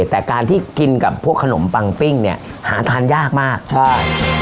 แต่การที่กินกับพวกขนมปังปิ้งเนี่ยหาทานยากมากใช่